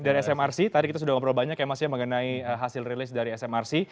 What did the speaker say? dari smrc tadi kita sudah ngobrol banyak ya mas ya mengenai hasil rilis dari smrc